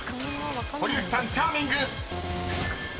［堀内さん「チャーミング」］